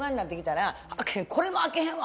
これも開けへんわ！